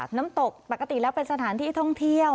น้ำตกปกติแล้วเป็นสถานที่ท่องเที่ยว